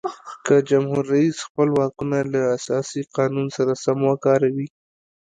که جمهور رئیس خپل واکونه له اساسي قانون سره سم وکاروي.